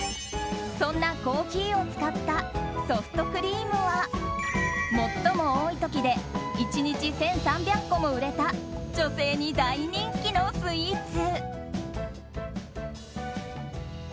そんなコーヒーを使ったソフトクリームは最も多い時で１日１３００個も売れた女性に大人気のスイーツ。